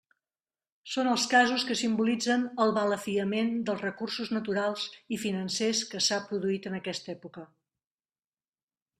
Són els casos que simbolitzen el balafiament dels recursos naturals i financers que s'ha produït en aquesta època.